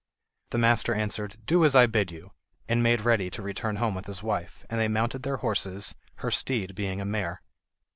The master answered: "Do as I bid you"; and made ready to return home with his wife, and they mounted their horses, her steed being a mare.